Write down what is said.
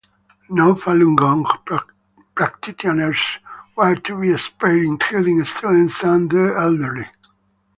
No Falun Gong practitioners were to be spared, including students and the elderly.